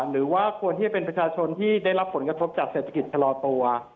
หรือว่าควรที่จะเป็นประชาชนที่ได้รับผลกระทบจากเศรษฐกิจชะลอตัว